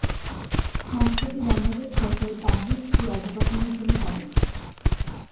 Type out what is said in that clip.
সংস্থাটি বাংলাদেশ সরকারের পাবলিক কি অবকাঠামোর জন্য দায়ী।